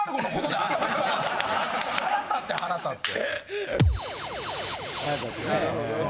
腹立って腹立って。